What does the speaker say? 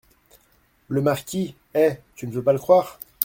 Le Marquis - Eh ! tu ne veux pas le croire !